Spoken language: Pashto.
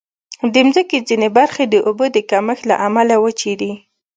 د مځکې ځینې برخې د اوبو د کمښت له امله وچې دي.